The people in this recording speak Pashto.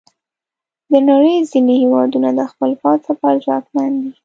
د نړۍ ځینې هیوادونه د خپل پوځ لپاره ځواکمن دي.